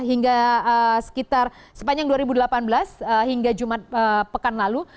hingga sekitar sepanjang dua ribu delapan belas hingga jumat pekan lalu